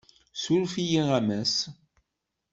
Ssuref-iyi a Mass.